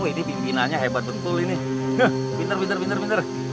ini pimpinannya hebat betul ini bintar bintar bintar